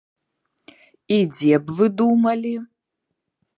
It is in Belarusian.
І дзе б вы думалі?